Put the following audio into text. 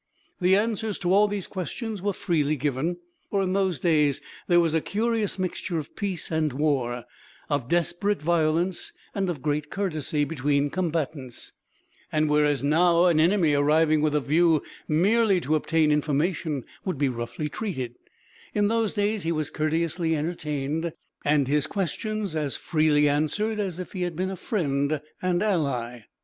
The answers to all these questions were freely given, for in those days there was a curious mixture of peace and war, of desperate violence and of great courtesy, between combatants; and whereas, now, an enemy arriving with a view merely to obtain information would be roughly treated, in those days he was courteously entertained, and his questions as freely answered as if he had been a friend and ally.